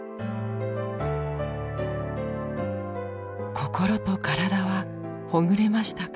心と体はほぐれましたか？